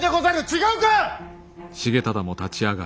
違うか！